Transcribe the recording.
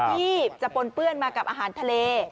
ที่จะปนเปื้อนมากับอาหารทะเล